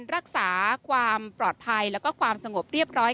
รักษาความปลอดภัยแล้วก็ความสงบเรียบร้อย